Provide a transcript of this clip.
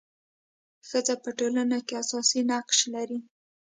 ښځه په ټولنه کي اساسي نقش لري.